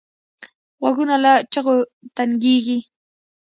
غوږونه له چغو تنګېږي